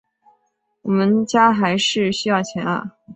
我们家还是需要钱啊